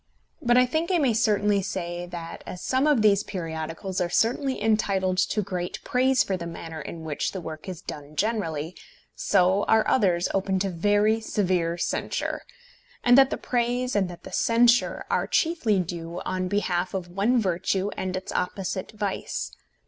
But I think I may certainly say that as some of these periodicals are certainly entitled to great praise for the manner in which the work is done generally, so are others open to very severe censure, and that the praise and that the censure are chiefly due on behalf of one virtue and its opposite vice.